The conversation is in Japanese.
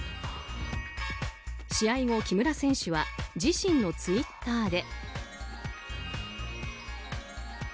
試合後、木村選手は自身のツイッターで。